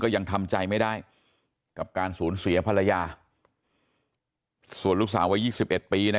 ก็ยังทำใจไม่ได้กับการสูญเสียภรรยาส่วนลูกสาววัน๒๑ปีนะ